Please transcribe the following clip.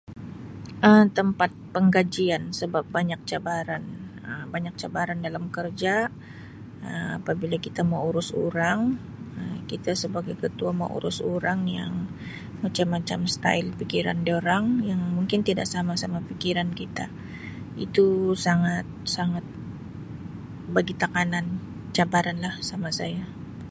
"Um Tempat penggajian sebab banyak cabaran Um banyak cabaran dalam kerja Um apabila kita mau urus orang kita sebagai ketua mau urus orang yang macam-macam ""style"" fikiran dorang yang mungkin tidak sama sama fikiran kita itu sangat-sangat bagi tekanan cabaran lah sama saya."